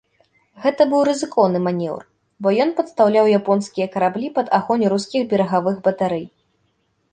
Гэта быў рызыкоўны манеўр, бо ён падстаўляў японскія караблі пад агонь рускіх берагавых батарэй.